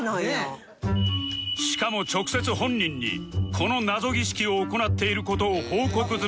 しかも直接本人にこの謎儀式を行っている事を報告済みだそうで